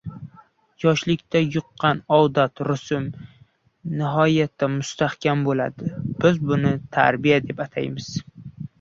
Yoshlikda yuqqan odat va rusum nihoyatda mustahkam bo‘ ladi; biz buni tarbiya deb ataymizu